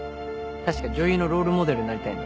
確か女医のロールモデルになりたいんだろ？